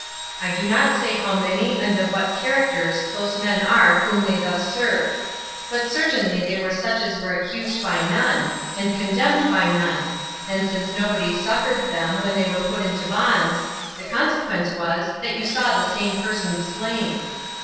I do not say how many and of what characters those men were whom they thus served; but certainly they were such as were accused by none, and condemned by none; and since nobody succored them when they were put into bonds, the consequence was, that you saw the same persons slain.